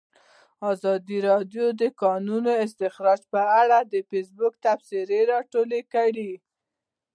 ازادي راډیو د د کانونو استخراج په اړه د فیسبوک تبصرې راټولې کړي.